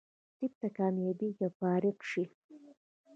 طب ته کامیابېږي او فارغه شي.